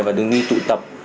và đứng đi tụ tập